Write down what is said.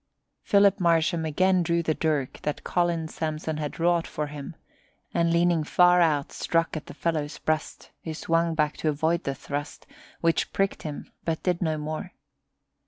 Philip Marsham again drew the dirk that Colin Samson had wrought for him and leaning far out struck at the fellow's breast, who swung back to avoid the thrust, which pricked him but did no more.